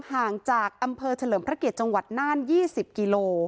ห่างจากอำเมอร์เฉลิมพระเกียรจนยี่สิบกิโล